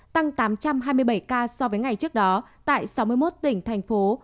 tăng tám trăm hai mươi bảy ca so với ngày trước đó tại sáu mươi một tỉnh thành phố